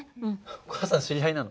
お母さん知り合いなの？